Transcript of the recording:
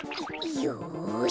よし！